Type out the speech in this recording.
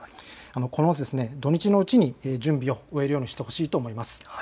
この土日のうちに準備を終えるようにしてほしいと思います。